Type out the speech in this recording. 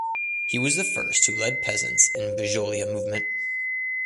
He was the first who led peasants in Bijolia movement.